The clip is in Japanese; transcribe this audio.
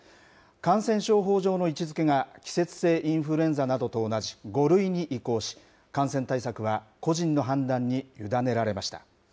感染症法上の位置づけが、季節性インフルエンザなどと同じ５類に移行し、感染対策は個人の判断に委ねられました。